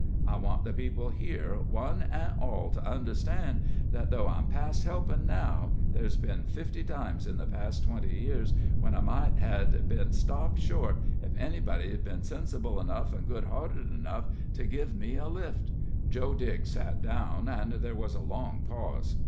I want the people here, one an' all, to understand that though I'm past helpin' now, ther's been fifty times in the last twenty year when I might hed been stopped short, ef any body'd been sensible enough and good hearted enough to give me a lift." Joe Digg sat down, and there was a long pause.